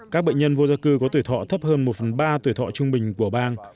các bệnh nhân vô gia cư có tuổi thọ thấp hơn một phần ba tuổi thọ trung bình của bang